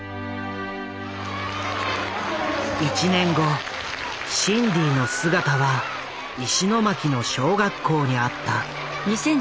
１年後シンディの姿は石巻の小学校にあった。